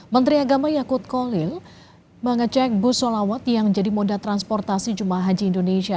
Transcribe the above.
menteri agama yakut kolil mengecek bus solawat yang jadi moda transportasi jemaah haji indonesia